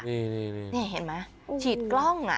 นี่เห็นไหมฉีดกล้อง